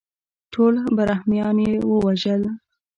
ټول برهمنان یې ووژل.